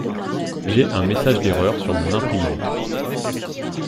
J'ai un message d'erreur sur mon imprimante.